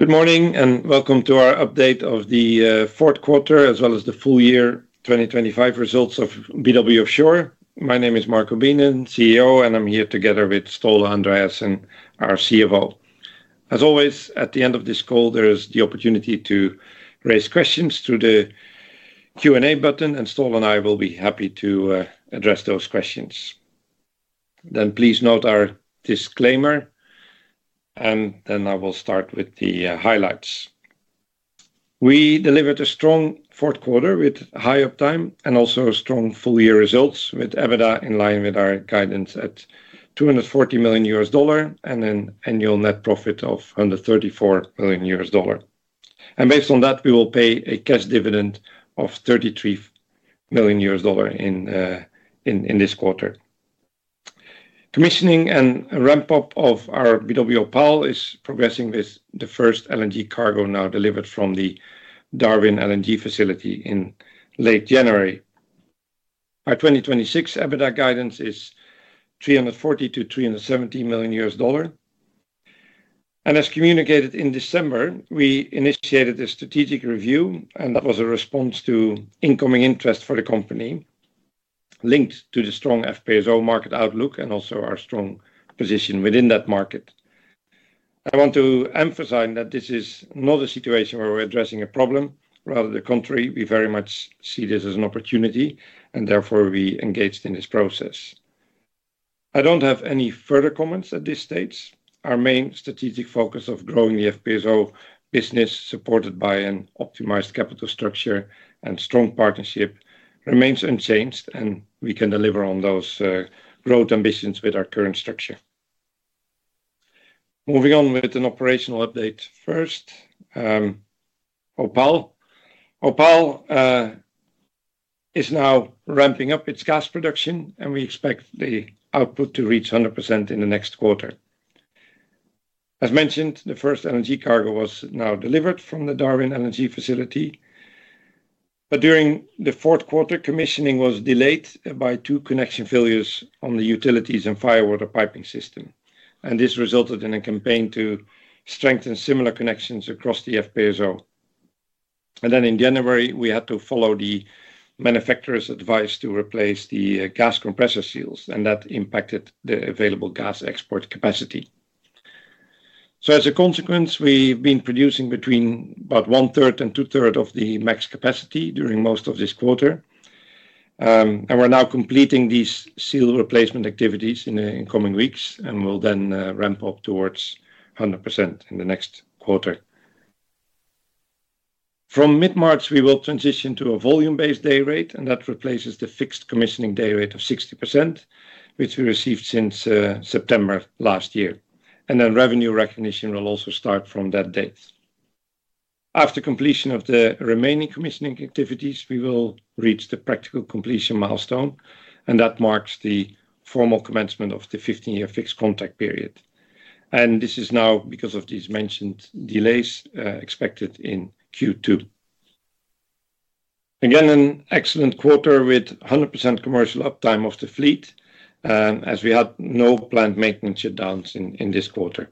Good morning, and welcome to our Update of the Fourth Quarter, as well as the Full Year 2025 Results of BW Offshore. My name is Marco Beenen, CEO, and I'm here together with Ståle Andreassen, our CFO. As always, at the end of this call, there is the opportunity to raise questions through the Q&A button, and Ståle and I will be happy to address those questions. Please note our disclaimer, I will start with the highlights. We delivered a strong fourth quarter with high uptime and also strong full-year results, with EBITDA in line with our guidance at $240 million, and an annual net profit of $134 million. Based on that, we will pay a cash dividend of $33 million in this quarter. Commissioning and ramp-up of our BW Opal is progressing with the first LNG cargo now delivered from the Darwin LNG facility in late January. Our 2026 EBITDA guidance is $340 million-$370 million. As communicated in December, we initiated a strategic review, and that was a response to incoming interest for the company, linked to the strong FPSO market outlook and also our strong position within that market. I want to emphasize that this is not a situation where we're addressing a problem. Rather, the contrary, we very much see this as an opportunity, and therefore, we engaged in this process. I don't have any further comments at this stage. Our main strategic focus of growing the FPSO business, supported by an optimized capital structure and strong partnership, remains unchanged, and we can deliver on those growth ambitions with our current structure. Moving on with an operational update. First, Opal. Opal is now ramping up its gas production, and we expect the output to reach 100% in the next quarter. As mentioned, the first LNG cargo was now delivered from the Darwin LNG facility. During the fourth quarter, commissioning was delayed by two connection failures on the utilities and firewater piping system, and this resulted in a campaign to strengthen similar connections across the FPSO. In January, we had to follow the manufacturer's advice to replace the gas compressor seals, and that impacted the available gas export capacity. As a consequence, we've been producing between about one-third and two-third of the max capacity during most of this quarter. We're now completing these seal replacement activities in the coming weeks, and we'll then ramp up towards 100% in the next quarter. From mid-March, we will transition to a volume-based day rate. That replaces the fixed commissioning day rate of 60%, which we received since September last year. Revenue recognition will also start from that date. After completion of the remaining commissioning activities, we will reach the practical completion milestone. That marks the formal commencement of the 15-year fixed contract period. This is now, because of these mentioned delays, expected in Q2. Again, an excellent quarter with 100% commercial uptime of the fleet, as we had no planned maintenance shutdowns in this quarter.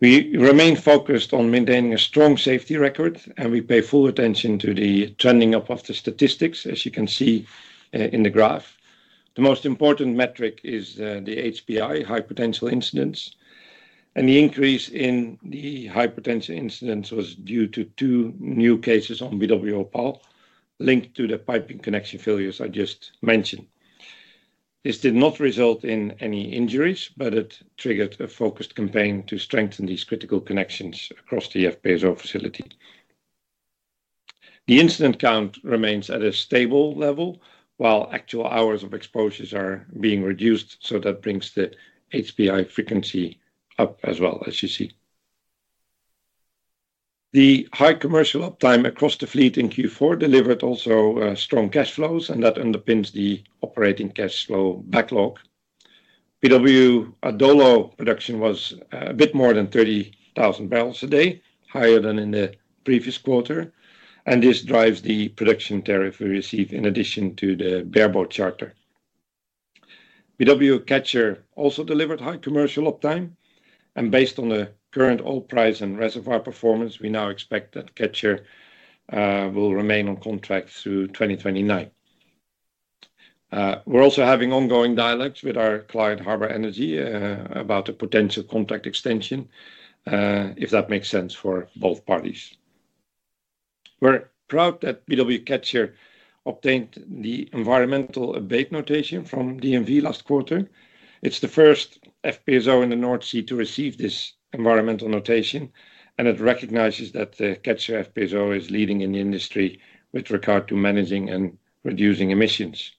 We remain focused on maintaining a strong safety record, and we pay full attention to the trending up of the statistics, as you can see in the graph. The most important metric is the HPI, high potential incidents, and the increase in the high potential incidents was due to two new cases on BW Opal, linked to the piping connection failures I just mentioned. This did not result in any injuries, but it triggered a focused campaign to strengthen these critical connections across the FPSO facility. The incident count remains at a stable level, while actual hours of exposures are being reduced, so that brings the HPI frequency up as well, as you see. The high commercial uptime across the fleet in Q4 delivered also strong cash flows, and that underpins the operating cash flow backlog. BW Adolo production was a bit more than 30,000 bbl a day, higher than in the previous quarter, and this drives the production tariff we receive in addition to the bareboat charter. BW Catcher also delivered high commercial uptime, and based on the current oil price and reservoir performance, we now expect that Catcher will remain on contract through 2029. We're also having ongoing dialogues with our client, Harbour Energy, about a potential contract extension, if that makes sense for both parties. We're proud that BW Catcher obtained the environmental Abate notation from DNV last quarter. It's the first FPSO in the North Sea to receive this environmental notation, and it recognizes that the Catcher FPSO is leading in the industry with regard to managing and reducing emissions.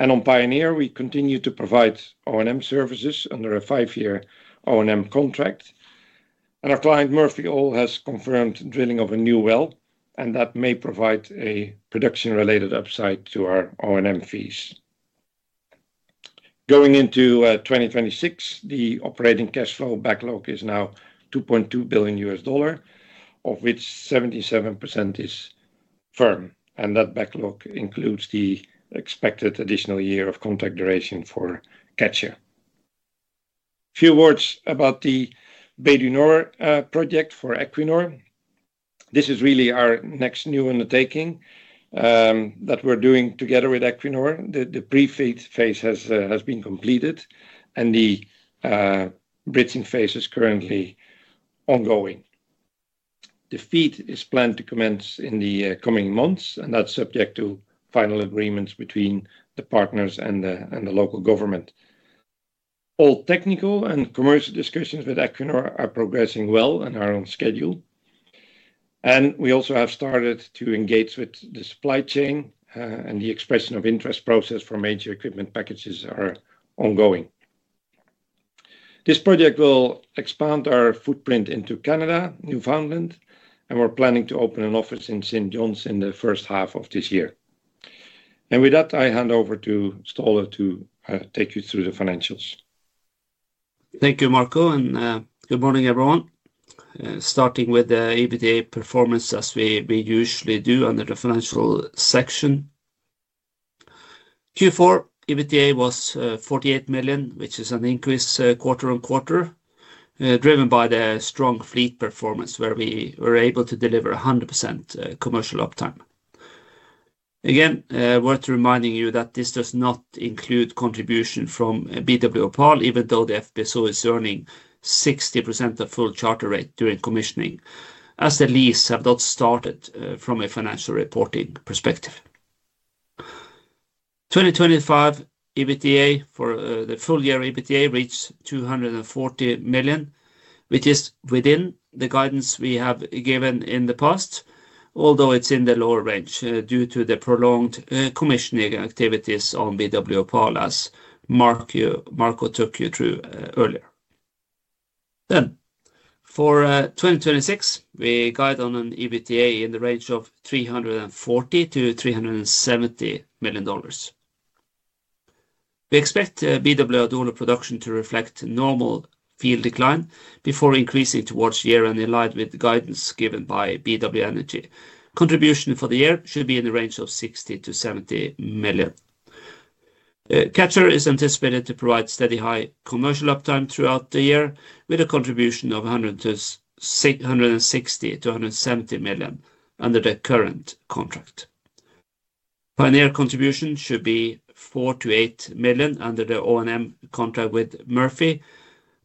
On Pioneer, we continue to provide O&M services under a five-year O&M contract, and our client, Murphy Oil, has confirmed drilling of a new well, and that may provide a production-related upside to our O&M fees. Going into 2026, the operating cash flow backlog is now $2.2 billion, of which 77% is firm, and that backlog includes the expected additional year of contract duration for Catcher. Few words about the Bay du Nord project for Equinor. This is really our next new undertaking that we're doing together with Equinor. The pre-FEED phase has been completed, and the bridging phase is currently ongoing. The FEED is planned to commence in the coming months. That's subject to final agreements between the partners and the local government. All technical and commercial discussions with Equinor are progressing well and are on schedule. We also have started to engage with the supply chain, and the expression of interest process for major equipment packages are ongoing. This project will expand our footprint into Canada, Newfoundland, and we're planning to open an office in St. John's in the first half of this year. With that, I hand over to Ståle to take you through the financials. Thank you, Marco, and good morning, everyone. Starting with the EBITDA performance, as we usually do under the financial section. Q4 EBITDA was $48 million, which is an increase quarter-on-quarter, driven by the strong fleet performance, where we were able to deliver 100% commercial uptime. Again, worth reminding you that this does not include contribution from BW Opal, even though the FPSO is earning 60% of full charter rate during commissioning, as the lease have not started from a financial reporting perspective. 2025 EBITDA for the full year EBITDA reached $240 million, which is within the guidance we have given in the past. Although it's in the lower range, due to the prolonged commissioning activities on BW Opal as Marco took you through earlier. For 2026, we guide on an EBITDA in the range of $340 million-$370 million. We expect BW Oslo production to reflect normal field decline before increasing towards year end, in line with the guidance given by BW Energy. Contribution for the year should be in the range of $60 million-$70 million. Catcher is anticipated to provide steady, high commercial uptime throughout the year, with a contribution of $160 million-$170 million under the current contract. Pioneer contribution should be $4 million-$8 million under the O&M contract with Murphy.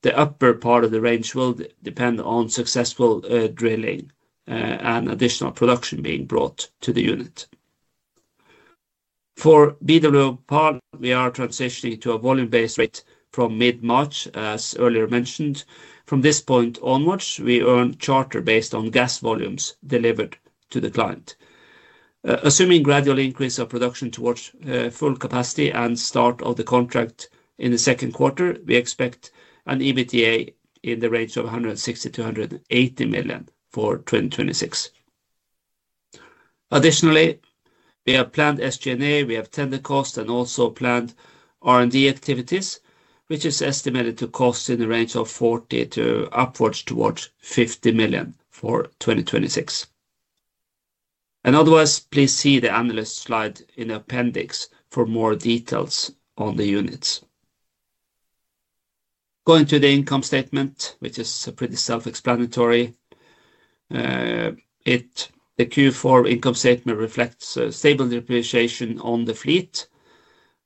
The upper part of the range will depend on successful drilling and additional production being brought to the unit. For BW Opal, we are transitioning to a volume-based rate from mid-March, as earlier mentioned. From this point onwards, we earn charter based on gas volumes delivered to the client. Assuming gradual increase of production towards full capacity and start of the contract in the second quarter, we expect an EBITDA in the range of $160 million-$180 million for 2026. Additionally, we have planned SG&A, we have tender cost and also planned R&D activities, which is estimated to cost in the range of $40 million to upwards towards $50 million for 2026. In other words, please see the analyst slide in appendix for more details on the units. Going to the income statement, which is pretty self-explanatory. The Q4 income statement reflects stable depreciation on the fleet,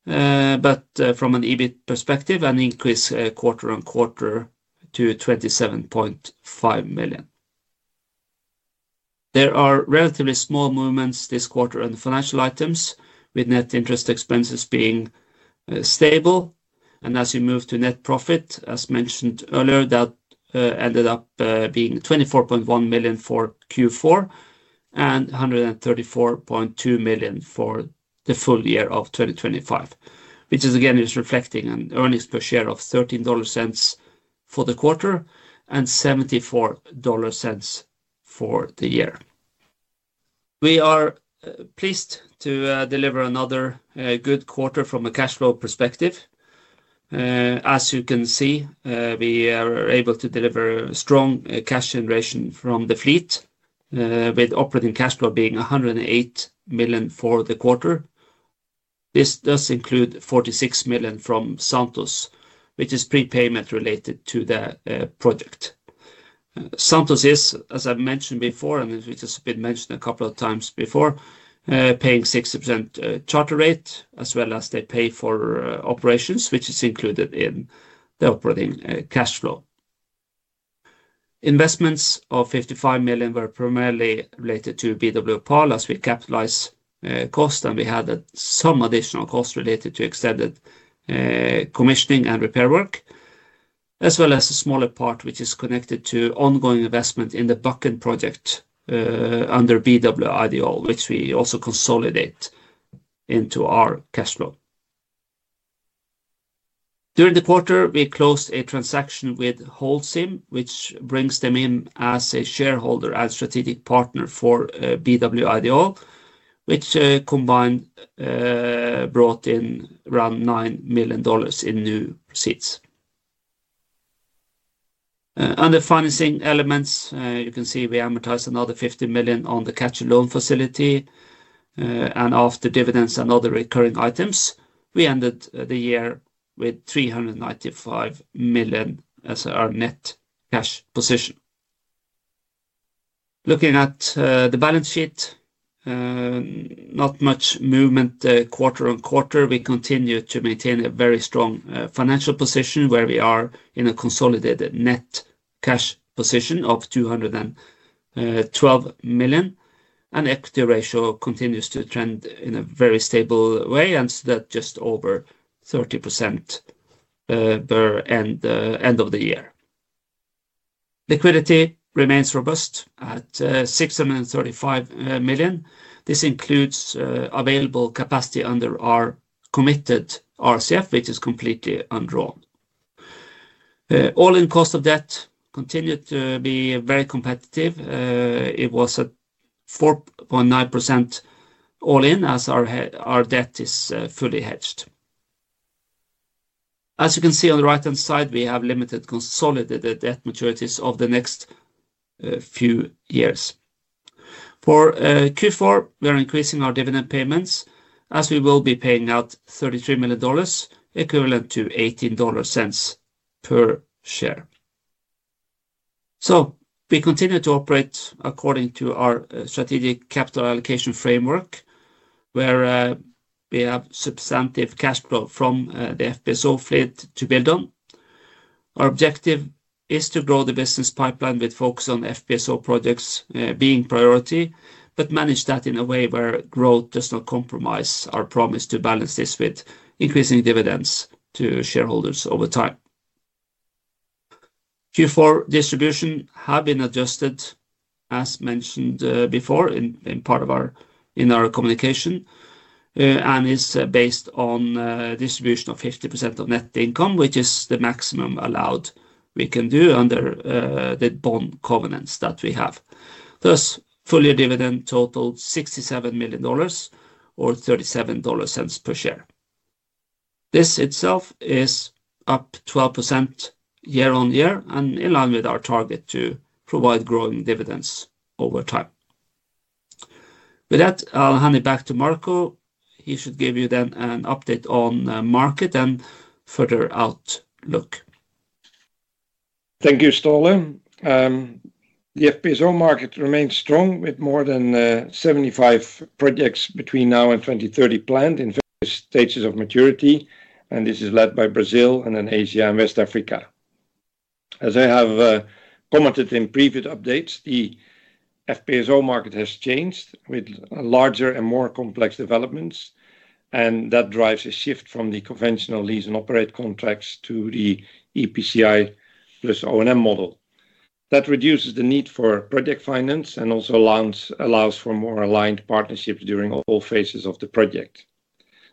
but from an EBIT perspective, an increase quarter-on-quarter to $27.5 million. There are relatively small movements this quarter on the financial items, with net interest expenses being stable. As you move to net profit, as mentioned earlier, that ended up being $24.1 million for Q4 and $134.2 million for the full year of 2025. Which again, is reflecting on earnings per share of $0.13 for the quarter and $0.74 for the year. We are pleased to deliver another good quarter from a cash flow perspective. As you can see, we are able to deliver strong cash generation from the fleet, with operating cash flow being $108 million for the quarter. This does include $46 million from Santos, which is prepayment related to the project. Santos is, as I've mentioned before, and it has been mentioned a couple of times before, paying 60% charter rate, as well as they pay for operations, which is included in the operating cash flow. Investments of $55 million were primarily related to BW Opal, as we capitalize cost, and we had some additional costs related to extended commissioning and repair work, as well as a smaller part, which is connected to ongoing investment in the Bakken project under BW Ideol, which we also consolidate into our cash flow. During the quarter, we closed a transaction with Holcim, which brings them in as a shareholder and strategic partner for BW Ideol, which combined brought in around $9 million in new seats... Under financing elements, you can see we amortized another $50 million on the Catcher loan facility. After dividends and other recurring items, we ended the year with $395 million as our net cash position. Looking at the balance sheet, not much movement quarter-on-quarter. We continue to maintain a very strong financial position, where we are in a consolidated net cash position of $212 million. Equity ratio continues to trend in a very stable way, that just over 30% end of the year. Liquidity remains robust at $635 million. This includes available capacity under our committed RCF, which is completely undrawn. All-in cost of debt continued to be very competitive. It was at 4.9% all in, as our debt is fully hedged. As you can see on the right-hand side, we have limited consolidated debt maturities over the next few years. For Q4, we are increasing our dividend payments, as we will be paying out $33 million, equivalent to $0.18 per share. We continue to operate according to our strategic capital allocation framework, where we have substantive cash flow from the FPSO fleet to build on. Our objective is to grow the business pipeline with focus on FPSO projects, being priority, but manage that in a way where growth does not compromise our promise to balance this with increasing dividends to shareholders over time. Q4 distribution have been adjusted, as mentioned before, in part of our communication. Is based on a distribution of 50% of net income, which is the maximum allowed we can do under the bond covenants that we have. Full-year dividend totaled $67 million or $0.37 per share. This itself is up 12% year-on-year and in line with our target to provide growing dividends over time. I'll hand it back to Marco. He should give you then an update on the market and further outlook. Thank you, Ståle. The FPSO market remains strong, with more than 75 projects between now and 2030 planned in various stages of maturity. This is led by Brazil and then Asia and West Africa. As I have commented in previous updates, the FPSO market has changed with larger and more complex developments, and that drives a shift from the conventional lease and operate contracts to the EPCI plus O&M model. That reduces the need for project finance and also allows for more aligned partnerships during all phases of the project.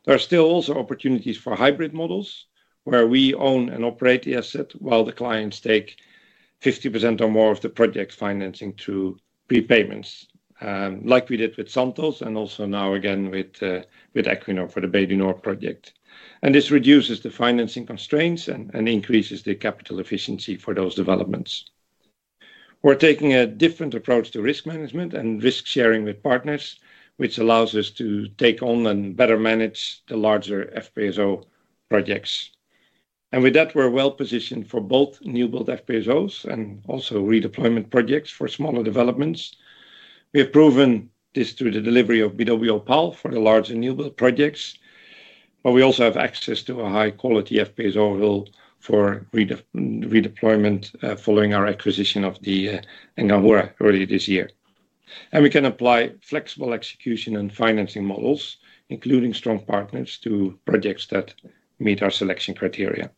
There are still also opportunities for hybrid models, where we own and operate the asset while the clients take 50% or more of the project financing through prepayments. Like we did with Santos, and also now again with Equinor for the Bay du Nord project. This reduces the financing constraints and increases the capital efficiency for those developments. We're taking a different approach to risk management and risk sharing with partners, which allows us to take on and better manage the larger FPSO projects. With that, we're well positioned for both new build FPSOs and also redeployment projects for smaller developments. We have proven this through the delivery of BW Opal for the larger new build projects, but we also have access to a high-quality FPSO hull for redeployment following our acquisition of the Nganhurra earlier this year. We can apply flexible execution and financing models, including strong partners, to projects that meet our selection criteria.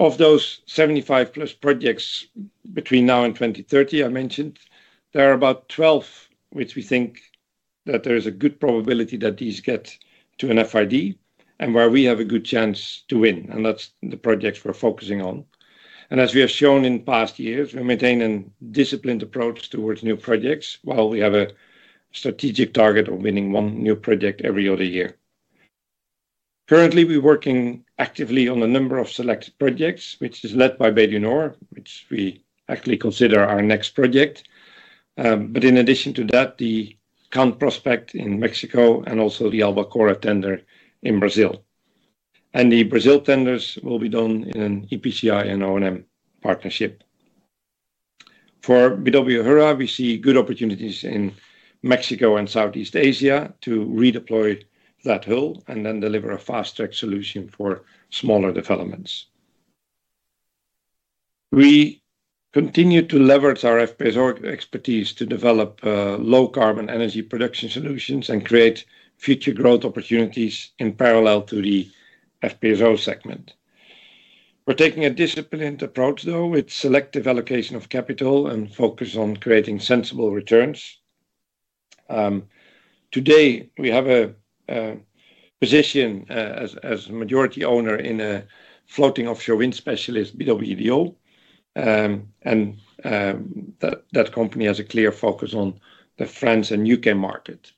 Of those 75+ projects between now and 2030, I mentioned, there are about 12 which we think that there is a good probability that these get to an FRD and where we have a good chance to win, and that's the projects we're focusing on. As we have shown in past years, we maintain a disciplined approach towards new projects, while we have a strategic target of winning one new project every other year. Currently, we're working actively on a number of select projects, which is led by Bay du Nord, which we actually consider our next project. In addition to that, the current prospect in Mexico and also the Albacora tender in Brazil. The Brazil tenders will be done in an EPCI and O&M partnership. For BW Nganhurra, we see good opportunities in Mexico and Southeast Asia to redeploy that hull and then deliver a fast-track solution for smaller developments. We continue to leverage our FPSO expertise to develop low-carbon energy production solutions and create future growth opportunities in parallel to the FPSO segment. We're taking a disciplined approach, though, with selective allocation of capital and focus on creating sensible returns. Today, we have a position as majority owner in a floating offshore wind specialist, BW Ideol. That company has a clear focus on the France and UK market.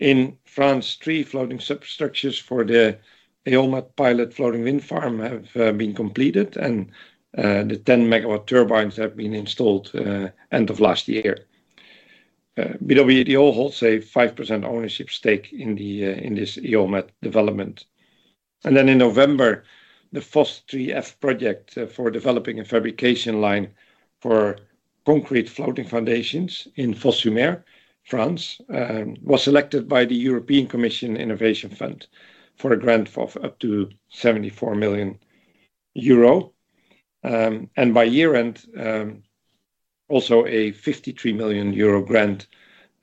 In France, three floating substructures for the Eolmed pilot floating wind farm have been completed, and the 10-megawatt turbines have been installed end of last year. BW Ideol holds a 5% ownership stake in this Eolmed development. In November, the Fos3F project for developing a fabrication line for concrete floating foundations in Fos-sur-Mer, France, was selected by the European Commission Innovation Fund for a grant of up to 74 million euro. By year-end, also a 53 million euro grant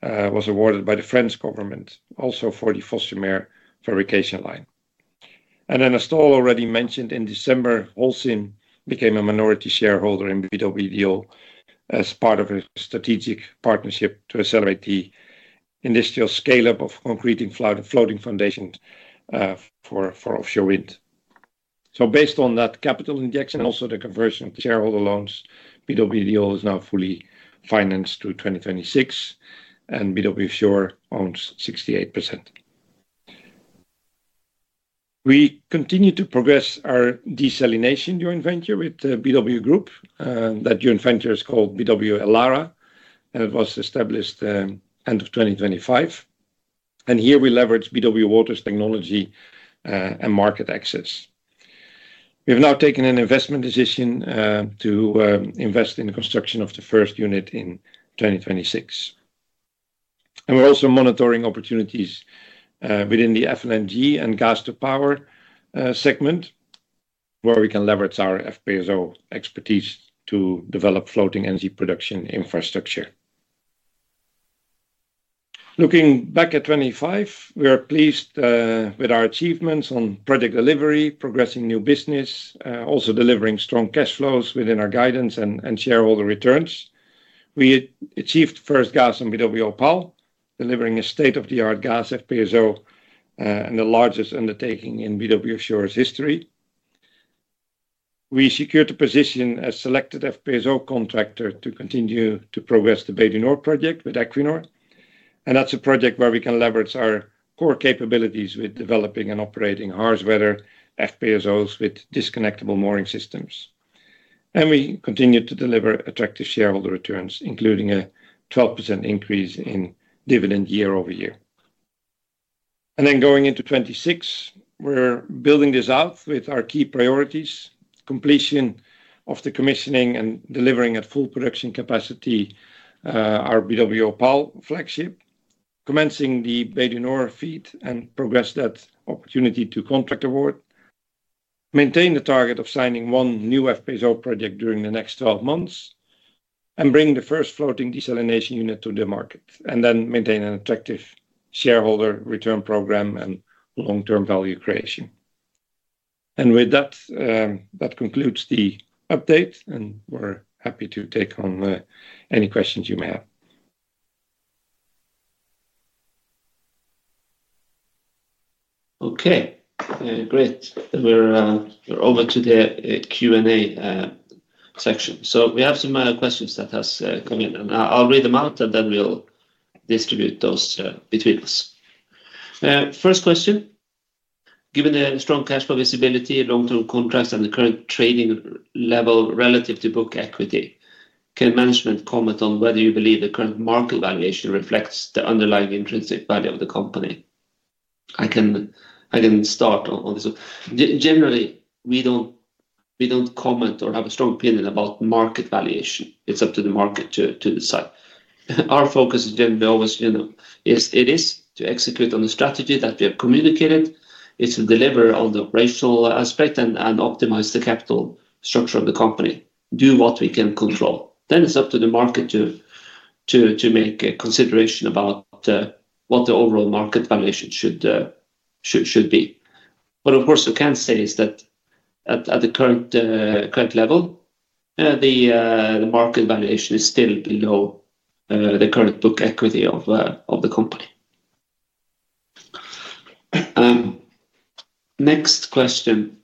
was awarded by the French government, also for the Fos-sur-Mer fabrication line. As Tor already mentioned, in December, Holcim became a minority shareholder in BW Ideol as part of a strategic partnership to accelerate the industrial scale-up of concrete and floating foundations for offshore wind. Based on that capital injection, also the conversion of shareholder loans, BW Ideol is now fully financed through 2026, and BW Offshore owns 68%. We continue to progress our desalination joint venture with BW Group. That joint venture is called BW Elara, it was established end of 2025, here we leverage BW Water's technology and market access. We have now taken an investment decision to invest in the construction of the first unit in 2026. We're also monitoring opportunities within the FLNG and gas to power segment, where we can leverage our FPSO expertise to develop floating energy production infrastructure. Looking back at 2025, we are pleased with our achievements on project delivery, progressing new business, also delivering strong cash flows within our guidance and shareholder returns. We achieved first gas on BW Opal, delivering a state-of-the-art gas FPSO and the largest undertaking in BW Offshore's history. We secured a position as selected FPSO contractor to continue to progress the Bay du Nord project with Equinor, that's a project where we can leverage our core capabilities with developing and operating harsh weather FPSOs with disconnectable mooring systems. We continue to deliver attractive shareholder returns, including a 12% increase in dividend year-over-year. Going into 2026, we're building this out with our key priorities: completion of the commissioning and delivering at full production capacity, our BW Opal flagship, commencing the Bay du Nord FEED, and progress that opportunity to contract award. Maintain the target of signing one new FPSO project during the next 12 months, and bring the first floating desalination unit to the market, and then maintain an attractive shareholder return program and long-term value creation. With that concludes the update, and we're happy to take on any questions you may have. Okay, great. We're over to the Q&A section. We have some questions that has come in, and I'll read them out, and then we'll distribute those between us. First question: Given the strong cash flow visibility, long-term contracts, and the current trading level relative to book equity, can management comment on whether you believe the current market valuation reflects the underlying intrinsic value of the company? I can start on this one. Generally, we don't comment or have a strong opinion about market valuation. It's up to the market to decide. Our focus is generally always, you know, is to execute on the strategy that we have communicated. It's to deliver on the operational aspect and optimize the capital structure of the company, do what we can control. It's up to the market to make a consideration about what the overall market valuation should be. Of course, we can say is that at the current current level, the market valuation is still below the current book equity of the company. Next question: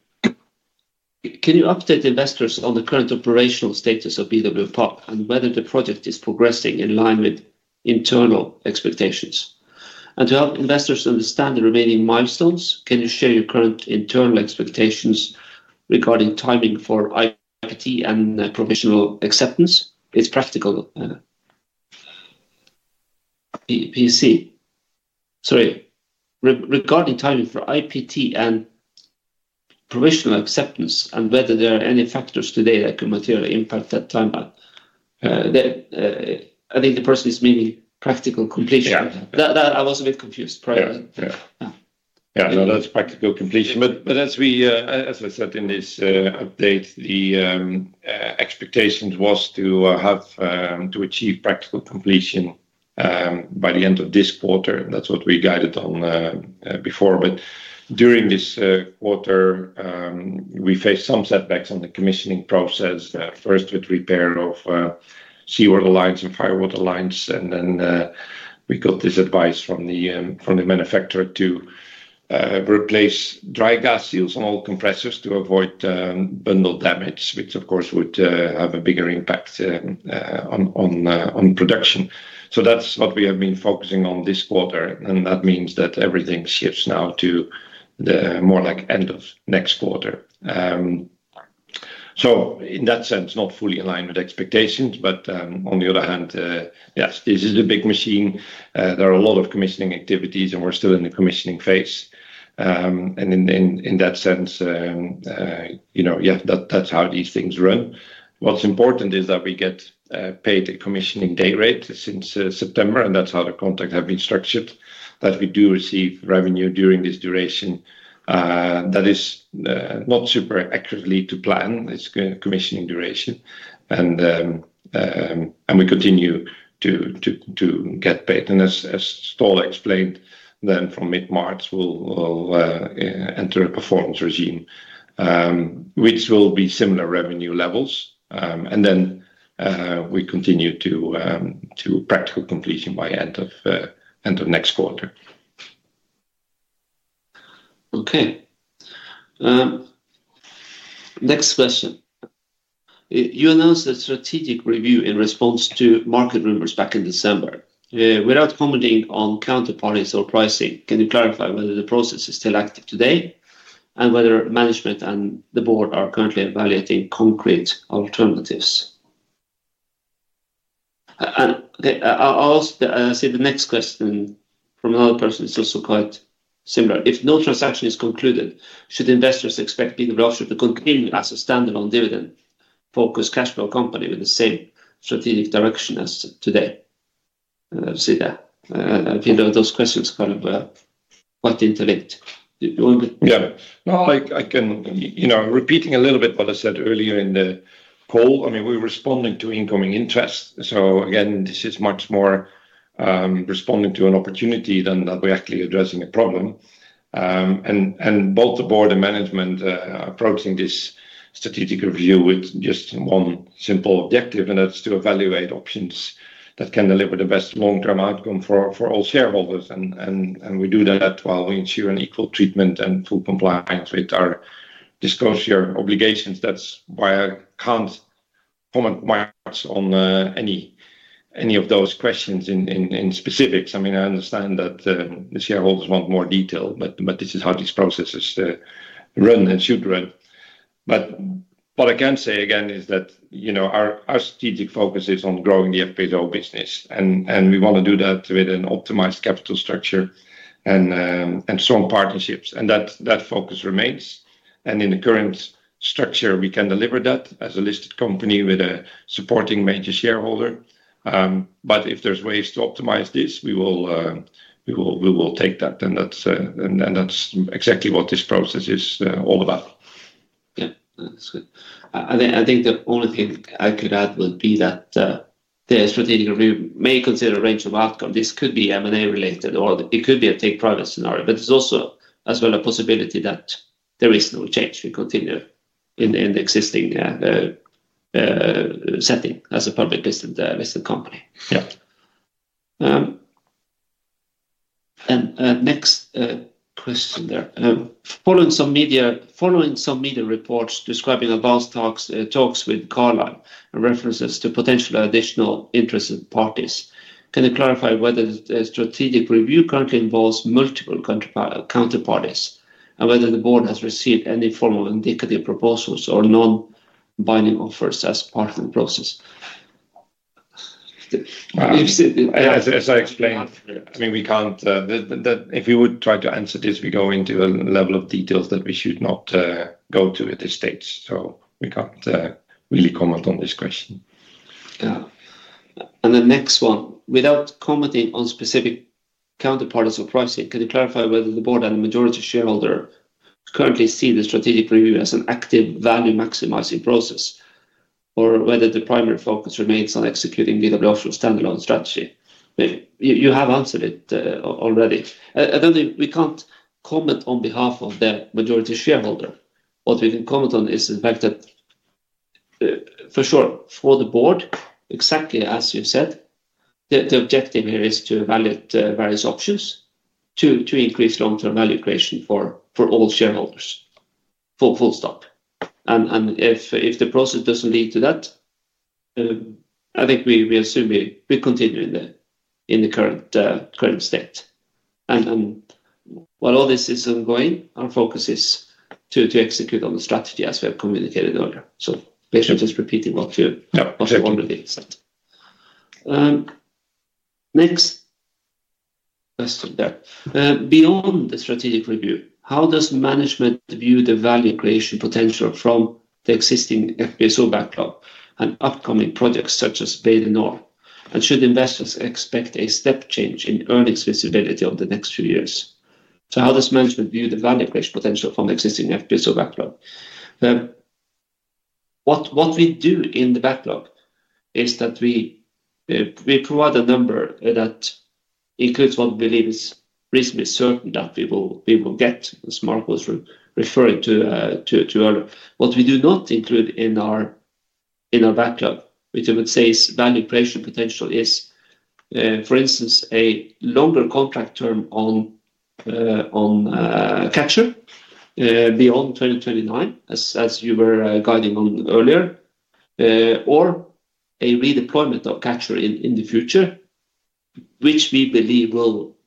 Can you update investors on the current operational status of BW Opal and whether the project is progressing in line with internal expectations? To help investors understand the remaining milestones, can you share your current internal expectations regarding timing for IPT and provisional acceptance? It's practical, PPC... Sorry, regarding timing for IPT and provisional acceptance, whether there are any factors today that could materially impact that timeline. I think the person is meaning practical completion. Yeah. That I was a bit confused. Pardon. Yeah, yeah. Yeah. Yeah, no, that's practical completion. As we, as I said in this update, the expectations was to have to achieve practical completion by the end of this quarter. That's what we guided on before. During this quarter, we faced some setbacks on the commissioning process. First with repair of seawater lines and firewater lines, and then we got this advice from the manufacturer to replace dry gas seals on all compressors to avoid bundle damage, which of course, would have a bigger impact on production. That's what we have been focusing on this quarter, and that means that everything shifts now to the more like end of next quarter. In that sense, not fully in line with expectations, but on the other hand, yes, this is a big machine. There are a lot of commissioning activities, and we're still in the commissioning phase. In that sense, you know, that's how these things run. What's important is that we get paid a commissioning day rate since September, and that's how the contract have been structured, that we do receive revenue during this duration. That is not super accurately to plan this co-commissioning duration. We continue to get paid, as Ståle explained, from mid-March, we'll enter a performance regime, which will be similar revenue levels. We continue to practical completion by end of next quarter. Okay. Next question. You announced a strategic review in response to market rumors back in December. Without commenting on counterparties or pricing, can you clarify whether the process is still active today, and whether management and the board are currently evaluating concrete alternatives? I'll ask, see the next question from another person is also quite similar. If no transaction is concluded, should investors expect the BW Offshore to continue as a standalone dividend-focused cash flow company with the same strategic direction as today? I'll say that, you know, those questions kind of, quite interlinked. Yeah. No, I can, you know, repeating a little bit what I said earlier in the call, I mean, we're responding to incoming interest. Again, this is much more responding to an opportunity than that we're actually addressing a problem. And both the board and management approaching this strategic review with just one simple objective, and that's to evaluate options that can deliver the best long-term outcome for all shareholders. And we do that while we ensure an equal treatment and full compliance with our disclosure obligations. That's why I can't form my thoughts on any of those questions in specifics. I mean, I understand that the shareholders want more detail, but this is how these processes run and should run. What I can say again is that, you know, our strategic focus is on growing the FPSO business. We want to do that with an optimized capital structure and strong partnerships, and that focus remains. In the current structure, we can deliver that as a listed company with a supporting major shareholder. If there's ways to optimize this, we will take that, and that's exactly what this process is all about. Yeah. That's good. I think the only thing I could add would be that the strategic review may consider a range of outcome. This could be M&A related, or it could be a take private scenario. There's also, as well, a possibility that there is no change. We continue in the existing setting as a public listed company. Yeah. Next, question there. Following some media reports describing advanced talks with Carlyle and references to potential additional interested parties, can you clarify whether the strategic review currently involves multiple counterparties, and whether the board has received any form of indicative proposals or non-binding offers as part of the process? As I explained, I mean, we can't. If we would try to answer this, we go into a level of details that we should not go to at this stage. We can't really comment on this question. Yeah. And the next one: Without commenting on specific counterparties or pricing, can you clarify whether the board and the majority shareholder currently see the strategic review as an active value-maximizing process, or whether the primary focus remains on executing the optional standalone strategy? You have answered it already. I don't think we can't comment on behalf of the majority shareholder. What we can comment on is the fact that for sure, for the board, exactly as you said, the objective here is to evaluate various options to increase long-term value creation for all shareholders, full stop. If the process doesn't lead to that, I think we assume we continue in the current state. While all this is ongoing, our focus is to execute on the strategy as we have communicated earlier. Basically just repeating what you- Yeah. Next question there. Beyond the strategic review, how does management view the value creation potential from the existing FPSO backlog and upcoming projects such as Bay du Nord? Should investors expect a step change in earnings visibility over the next few years? How does management view the value creation potential from the existing FPSO backlog? What we do in the backlog is that we provide a number that includes what we believe is reasonably certain that we will get, as Marco was referring to earlier. What we do not include in our backlog, which I would say is value creation potential, is for instance, a longer contract term on Catcher beyond 2029, as you were guiding on earlier, or a redeployment of Catcher in the future. Which we believe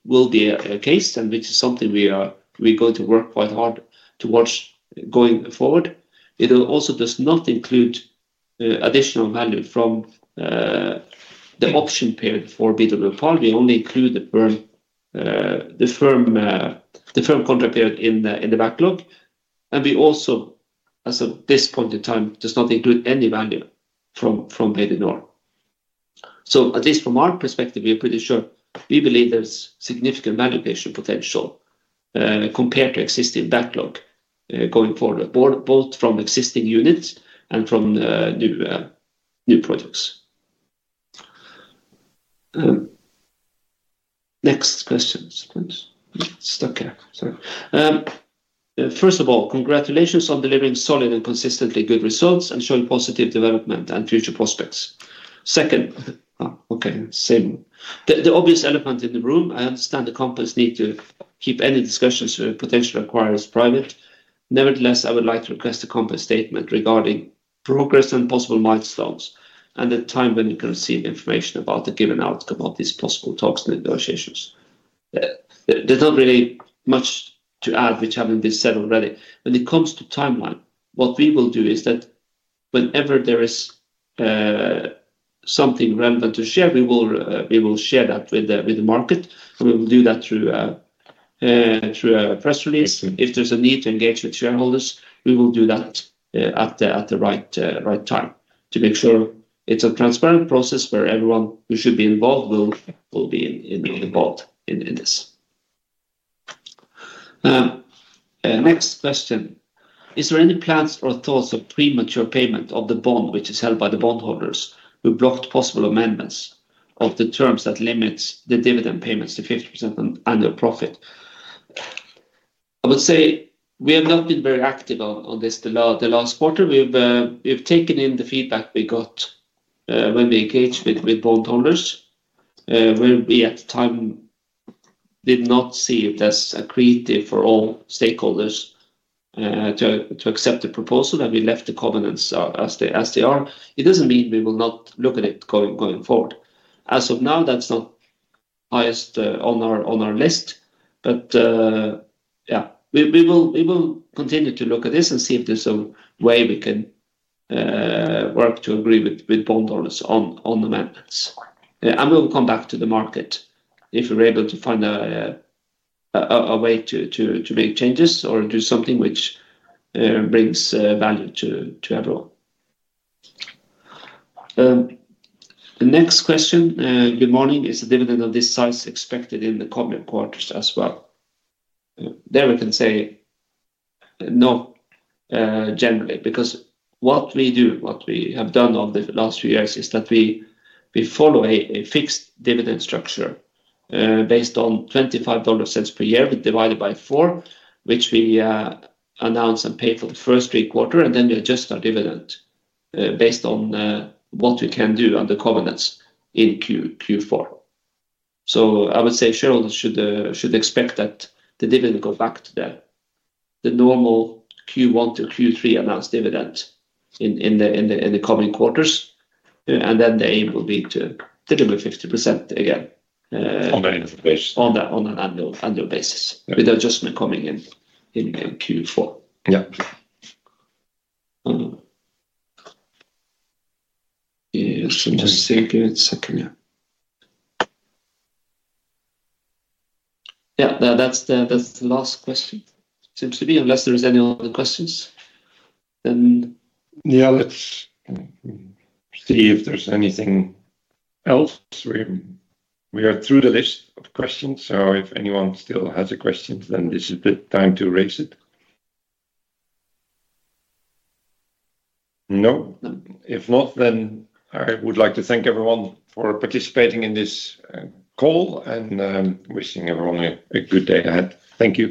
will be a case and which is something we're going to work quite hard towards going forward. It also does not include additional value from the option period for BWP. We only include the firm contract period in the backlog. We also, as of this point in time, does not include any value from Bay du Nord. At least from our perspective, we are pretty sure we believe there's significant valuation potential, compared to existing backlog, going forward, both from existing units and from, new projects. Next question. It's stuck here. Sorry. First of all, congratulations on delivering solid and consistently good results and showing positive development and future prospects. Okay, same. The obvious elephant in the room, I understand the company's need to keep any discussions with potential acquirers private. Nevertheless, I would like to request a company statement regarding progress and possible milestones, and the time when we can receive information about the given outcome of these possible talks and negotiations. There's not really much to add, which haven't been said already. When it comes to timeline, what we will do is that whenever there is something relevant to share, we will share that with the market. We will do that through a press release. If there's a need to engage with shareholders, we will do that at the right time to make sure it's a transparent process where everyone who should be involved will be involved in this. Next question: Is there any plans or thoughts of premature payment of the bond, which is held by the bondholders, who blocked possible amendments of the terms that limits the dividend payments to 50% on annual profit? I would say we have not been very active on this the last quarter. We've taken in the feedback we got when we engaged with bondholders, where we, at the time, did not see it as accretive for all stakeholders to accept the proposal, and we left the covenants as they are. It doesn't mean we will not look at it going forward. As of now, that's not highest on our list, but yeah, we will continue to look at this and see if there's a way we can work to agree with bondholders on amendments. We'll come back to the market if we're able to find a way to make changes or do something which brings value to everyone. The next question: Good morning. Is the dividend of this size expected in the coming quarters as well? There we can say, no, generally, because what we do, what we have done over the last few years is that we follow a fixed dividend structure, based on $0.25 per year, divided by four, which we announce and pay for the first three quarters, and then we adjust our dividend, based on what we can do on the covenants in Q4. I would say shareholders should expect that the dividend go back to the normal Q1-Q3 announced dividend in the coming quarters, and then the aim will be to deliver 50% again. On an annual basis. On an annual basis. Yeah... with the adjustment coming in Q4. Yeah. Yeah, just take a second here. Yeah, that's the last question. Seems to be, unless there is any other questions. Yeah, let's see if there's anything else. We are through the list of questions, so if anyone still has a question, then this is the time to raise it. No? No. If not, I would like to thank everyone for participating in this call, and wishing everyone a good day ahead. Thank you.